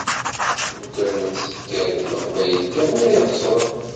lukan ad tekker d leqbayel kan ara ixesren.